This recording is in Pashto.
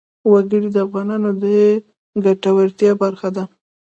وګړي د افغانانو د ګټورتیا برخه ده.